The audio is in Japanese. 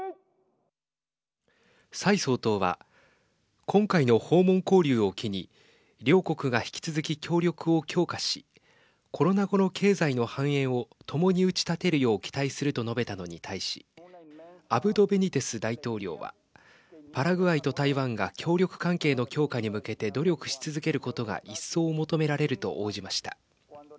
蔡総統は今回の訪問交流を機に両国が引き続き協力を強化しコロナ後の経済の繁栄を共に打ち立てるよう期待すると述べたのに対しアブド・ベニテス大統領はパラグアイと台湾が協力関係の強化に向けて努力し続けることが一層求められると応じました。